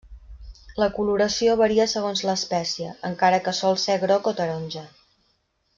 La coloració varia segons l'espècie, encara que sol ser groc o taronja.